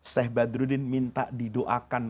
syekh badruddin minta didoakan